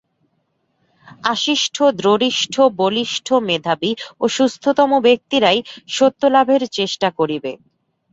আশিষ্ঠ দ্রঢ়িষ্ঠ বলিষ্ঠ মেধাবী ও সুস্থতম ব্যক্তিরাই সত্যলাভের চেষ্টা করিবে।